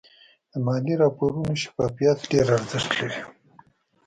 د مالي راپورونو شفافیت ډېر ارزښت لري.